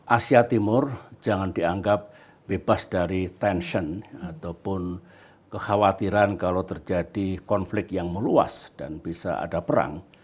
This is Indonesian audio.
asia timur jangan dianggap bebas dari tension ataupun kekhawatiran kalau terjadi konflik yang meluas dan bisa ada perang